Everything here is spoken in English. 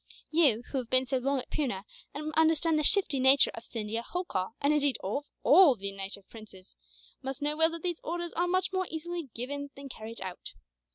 "You, who have been so long at Poona, and understand the shifty nature of Scindia, Holkar, and indeed of all the native princes, must know well that these orders are much more easily given than carried out.